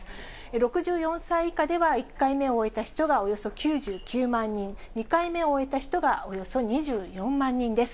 ６４歳以下では１回目を終えた人がおよそ９９万人、２回目を終えた人がおよそ２４万人です。